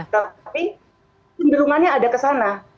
tapi penderungannya ada kesana